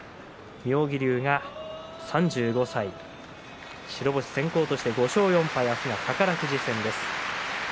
妙義龍、３５歳白星先行として５勝４敗明日は宝富士戦です。